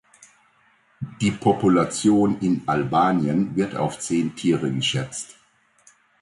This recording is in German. Die Population in Albanien wird auf zehn Tiere geschätzt.